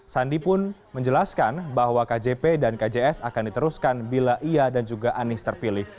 sandi pun menjelaskan bahwa kjp dan kjs akan diteruskan bila ia dan juga anies terpilih